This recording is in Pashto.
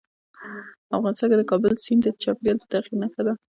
افغانستان کې د کابل سیند د چاپېریال د تغیر نښه ده.